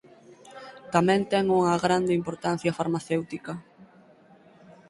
Tamén ten unha grande importancia farmacéutica.